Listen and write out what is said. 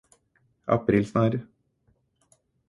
Aprilsnarr!